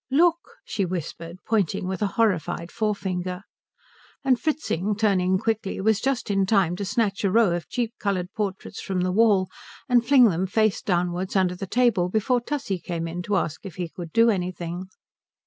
"Look," she whispered, pointing with a horrified forefinger. And Fritzing, turning quickly, was just in time to snatch a row of cheap coloured portraits from the wall and fling them face downwards under the table before Tussie came in to ask if he could do anything.